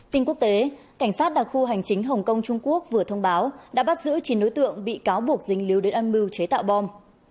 tình quốc tế cảnh sát đặc khu hành chính hồng kông trung quốc vừa thông báo đã bắt giữ chín nối tượng bị cáo buộc dính liếu đến ân mưu chế tạo bom